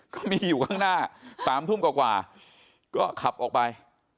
ก็มีอยู่ข้างหน้า๓ทุ่มกว่าก็ขับออกไป